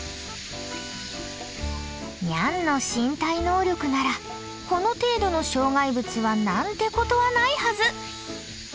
ニャンの身体能力ならこの程度の障害物は何てことはないはず！